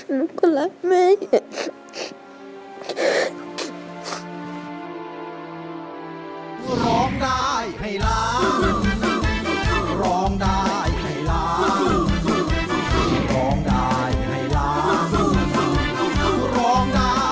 หนูก็รักแม่เย็น